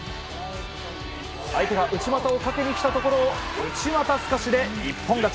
相手が内股をかけにきたところを内股すかしで一本勝ち。